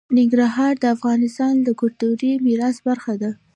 ننګرهار د افغانستان د کلتوري میراث برخه ده.